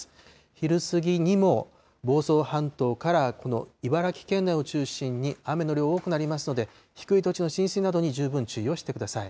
昼過ぎにも房総半島から、この茨城県内を中心に雨の量多くなりますので、低い土地の浸水などに十分注意をしてください。